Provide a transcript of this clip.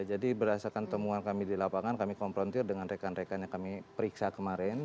jadi berdasarkan temuan kami di lapangan kami komprontir dengan rekan rekan yang kami periksa kemarin